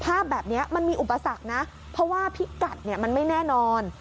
ภาพแบบนี้มันมีอุปสรรคนะเพราะว่าพิกัดเนี่ยมันไม่แน่นอน